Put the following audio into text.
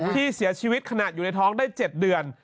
ที่เสียชีวิตขณะอยู่ในท้องได้๗เดือน